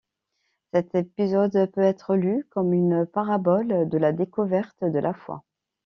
Cet épisode peut être lu comme une parabole de la découverte de la foi.